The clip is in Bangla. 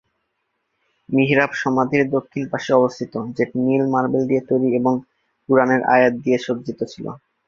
মিহরাব সমাধির দক্ষিণ পাশে অবস্থিত, যেটি নীল মার্বেল দিয়ে তৈরি এবং কুরআনের আয়াত দিয়ে সজ্জিত ছিল।